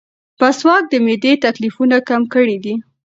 مسواک د معدې تکلیفونه کم کړي دي.